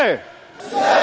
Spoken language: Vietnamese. xin thề xin thề